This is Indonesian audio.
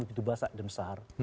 begitu besar dan besar